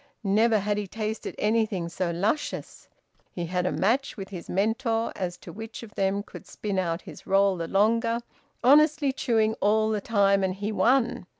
Never had he tasted anything so luscious. He had a match with his mentor, as to which of them could spin out his roll the longer, honestly chewing all the time; and he won.